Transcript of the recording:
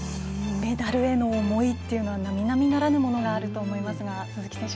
メダルへの思いというのはなみなみならぬものがあると思いますが、鈴木選手